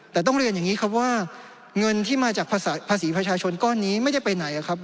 แต่ต้องเรียนอย่างนี้ครับว่าเงินที่มาจากภาษีประชาชนก้อนนี้ไม่ได้ไปไหนครับ